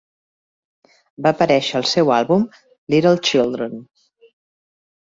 Va aparèixer al seu àlbum, "Little Children".